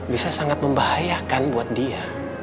bisa sangat membahayakan buat dia